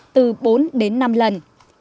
từ bốn đến năm lần